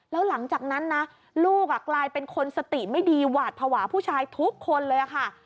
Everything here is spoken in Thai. แล้วหลังจากนั้นนะลูกกลายเป็นคนสติไม่ดีหวาดภาวะผู้ชายทุกคนเลยค่ะ